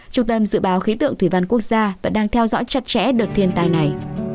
trung tâm dự báo khí tượng thủy văn quốc gia vẫn đang theo dõi chặt chẽ đợt thiên tai này